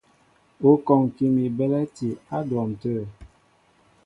Ú kɔŋki mi belɛ̂ti á dwɔn tə̂.